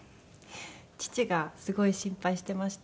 父がすごい心配してました。